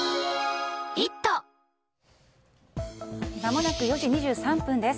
まもなく４時２３分です。